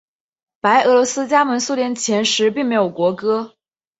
白俄罗斯加盟苏联前时并没有国歌。